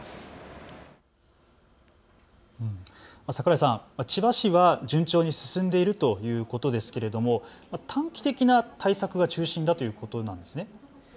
櫻井さん、千葉市は順調に進んでいるということですけれども短期的な対策が中心だということなんですね。